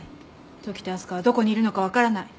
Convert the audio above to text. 時田明日香はどこにいるのか分からない。